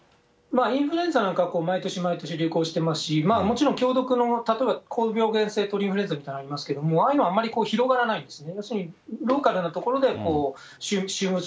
インフルエンザなんかは毎年毎年流行してますし、もちろん、強毒の、例えば高病原性鳥インフルエンザみたいなのがありますので、ああいうのはあまり広がらないんですね。